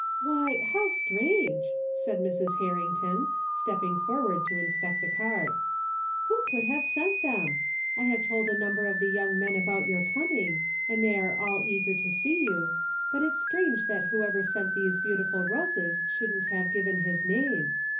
" Why, how strange I " said Mrs. Harrington, step ping forward to inspect the card. " Who could have sent them ? I have told a number of the young men about your coming, and they are all eager to see you ; but it's strange that whoever sent these beautiful roses shouldn't have given his name.